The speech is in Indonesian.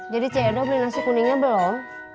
jadi cik edel beli nasi kuningnya belum